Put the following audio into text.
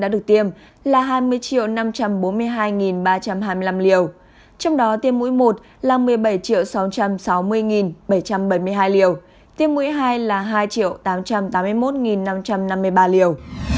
điều đó được tiêm là hai mươi năm trăm bốn mươi hai ba trăm hai mươi năm liều trong đó tiêm mũi một là một mươi bảy sáu trăm sáu mươi bảy trăm bảy mươi hai liều tiêm mũi hai là hai tám trăm tám mươi một năm trăm năm mươi ba liều